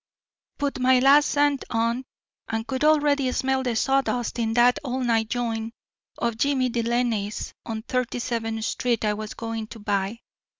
Put my last cent on, and could already smell the sawdust in dat all night joint of Jimmy Delaney's on T'irty seventh Street I was goin' to buy.